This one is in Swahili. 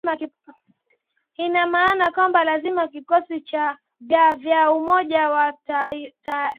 ina maana kwamba lazima vikosi vya vya umoja wa mataifa